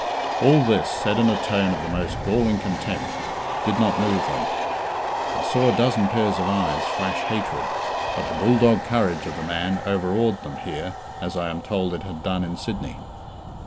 All this, said in a tone of the most galling contempt, did not move them. I saw a dozen pairs of eyes flash hatred, but the bull dog courage of the man overawed them here, as, I am told, it had done in Sydney.